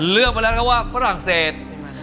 เลือกไปแล้วครับว่าฝรั่งเศส